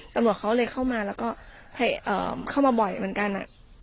ตำรวจเขาเลยเข้ามาแล้วก็เข้ามาบ่อยเหมือนกัน